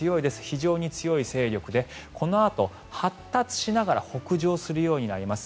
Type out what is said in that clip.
非常に強い勢力でこのあと、発達しながら北上するようになります。